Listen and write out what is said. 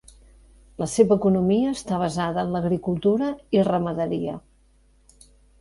La seva economia està basada en l'agricultura i ramaderia.